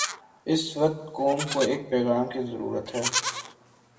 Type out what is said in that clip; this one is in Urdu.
اس وقت قوم کو ایک پیغام کی ضرورت ہے۔